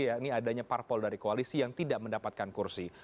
yakni adanya parpol dari koalisi yang tidak mendapatkan kursi